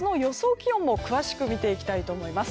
気温を詳しく見ていきたいと思います。